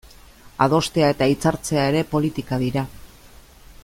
Adostea eta hitzartzea ere politika dira.